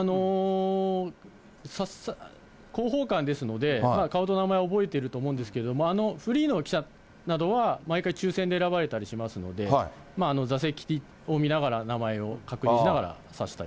広報官ですので、顔と名前を覚えていると思うんですけれども、フリーの記者などは、毎回抽せんで選ばれたりしますので、座席表を見ながら、名前を確認しながら指したり。